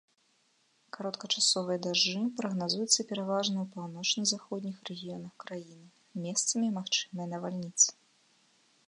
Кароткачасовыя дажджы прагназуюцца пераважна ў паўночна-заходніх рэгіёнах краіны, месцамі магчымыя навальніцы.